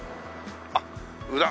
あっ裏！